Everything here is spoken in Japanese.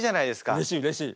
うれしいうれしい。